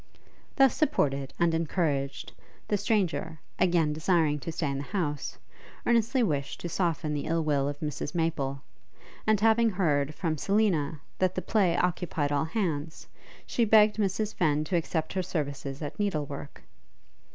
Thus supported and encouraged, the stranger, again desiring to stay in the house, earnestly wished to soften the ill will of Mrs Maple; and having heard, from Selina, that the play occupied all hands, she begged Mrs Fenn to accept her services at needle work.